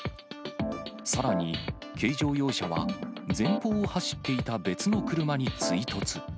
さらに、軽乗用車は、前方を走っていた別の車に追突。